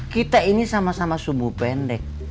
kita ini sama sama subuh pendek